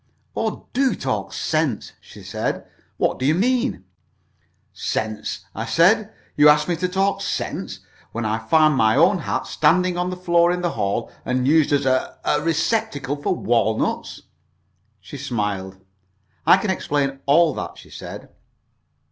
"Oh, do talk sense!" she said. "What do you mean?" "Sense!" I said. "You ask me to talk sense, when I find my own hat standing on the floor in the hall, and used as a a receptacle for walnuts!" She smiled. "I can explain all that," she said.